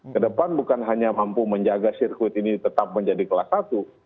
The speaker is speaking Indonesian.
kedepan bukan hanya mampu menjaga sirkuit ini tetap menjadi kelas satu